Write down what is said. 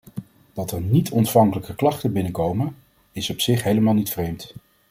Dat er niet-ontvankelijke klachten binnenkomen, is op zich helemaal niet vreemd.